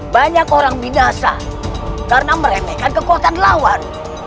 banyak orang minasa karena meremehkan kekuatan lawan